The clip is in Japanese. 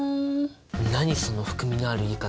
何その含みのある言い方。